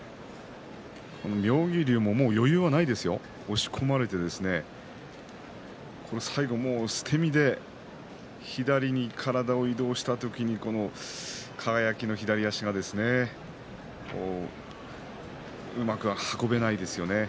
妙義龍も余裕はないですよ、押し込まれて最後、捨て身で左に体を移動した時に輝の左足がですねうまく運べないですよね。